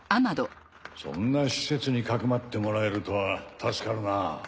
そんな施設に匿ってもらえるとは助かるな。